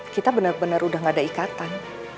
kita bener bener udah gak ada ikatan